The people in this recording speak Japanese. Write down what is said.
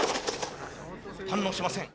反応しません。